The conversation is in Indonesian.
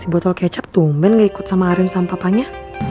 botol kecap tumben gak ikut sama arin samp papanya